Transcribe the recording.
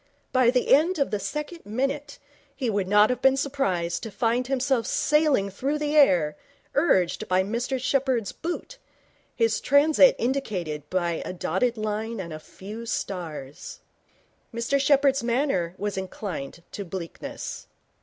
By the end of the second minute he would not have been surprised to find himself sailing through the air, urged by Mr Sheppherd's boot, his transit indicated by a dotted line and a few stars. Mr Sheppherd's manner was inclined to bleakness.